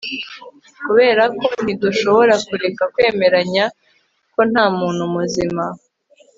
kuberako ntidushobora kureka kwemeranya ko ntamuntu muzima